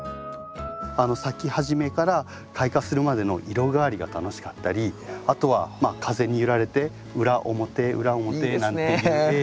咲き始めから開花するまでの色変わりが楽しかったりあとは風に揺られて裏表裏表なんていう動きが。